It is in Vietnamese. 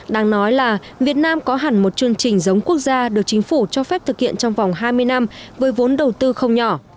đang nói là việt nam có hẳn một chương trình giống quốc gia được chính phủ cho phép thực hiện trong vòng hai mươi năm với vốn đầu tư không nhỏ